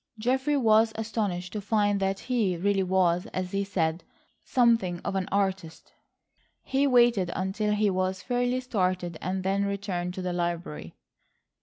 Geoffrey was astonished to find that he really was, as he said, something of an artist. He waited until he was fairly started and then returned to the library.